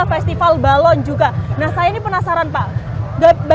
festival balon juga nah saya ini penasaran pak bagaimana dinas pariwisata ini bisa mendatangkan